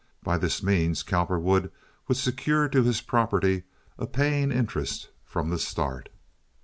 By this means Cowperwood would secure to his property a paying interest from the start.